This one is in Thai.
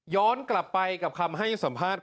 กลับไปกับคำให้สัมภาษณ์